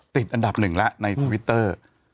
ติดอันดับหนึ่งแล้วในทวิตเตอร์